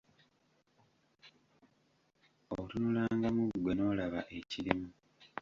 Otunulangamu ggwe n'olaba ekirimu.